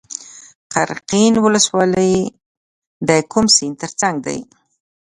قرقین ولسوالۍ د کوم سیند تر څنګ ده؟